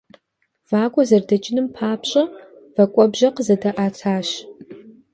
Вакӏуэ зэрыдэкӏыным папщӏэ вэкӏуэбжьэ къызэдаӏэтащ.